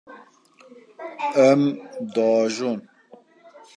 Em diajon.